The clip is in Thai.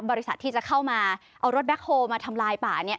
บริษัทที่จะเข้ามาเอารถแบ็คโฮลมาทำลายป่าเนี่ย